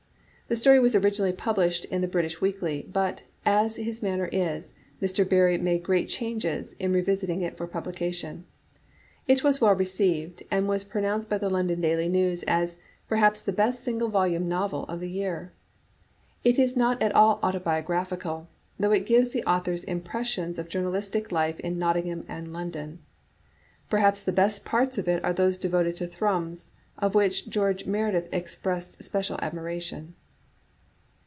The story was originally published in The British Weekly^ but, as his manner is, Mr. Barrie made great changes in revis ing it for publication. It was well received, and was pronounced by the London Daily News as perhaps the best single volume novel of the year. " It is not at all Digitized by VjOOQ IC autobiographical, though it gives the author's impres sions of journalistic life in Nottingham and London. Perhaps the best parts of it are those devoted to Thrums, of which George Meredith expressed special admiration.